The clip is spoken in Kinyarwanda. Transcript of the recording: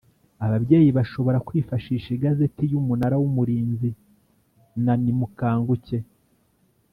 Ababyeyi bashobora kwifashisha igazeti y Umunara w Umurinzi na Nimukanguke